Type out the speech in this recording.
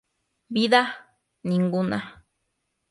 Vida: Ninguna.